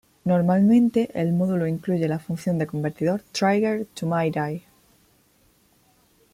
Normalmente el módulo incluye la función de convertidor trigger-to-midi.